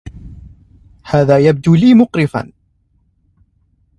هذا يبدو لي مقرفا.